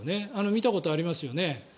見たことありますよね。